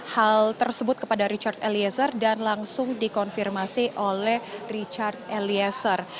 hal tersebut kepada richard eliezer dan langsung dikonfirmasi oleh richard eliezer